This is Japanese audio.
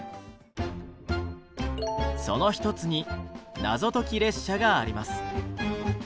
その一つに「謎解列車」があります。